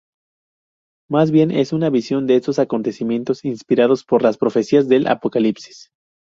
Más bien es una visión de estos acontecimientos inspirados por las profecías del Apocalipsis.